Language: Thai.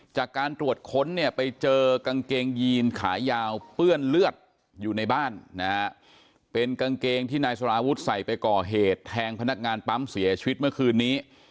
จากการตรวจค้นเนี่ยไปเจอกางเกงยีนขายาวเปื้อนเลือดอยู่ในบ้านนะฮะเป็นกางเกงที่นายสารวุฒิใส่ไปก่อเหตุแทงพนักงานปั๊มเสียชีวิตเมื่อคืนนี้